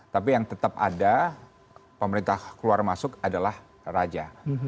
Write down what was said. tapi yang tetap ada pemerintah keluar masuk adalah raja